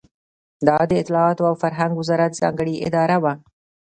دا د اطلاعاتو او فرهنګ وزارت ځانګړې اداره وه.